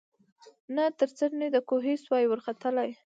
نه تر څنډی د کوهي سوای ورختلای